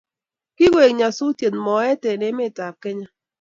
kigoek nyasusiet moet eng emetab Kenya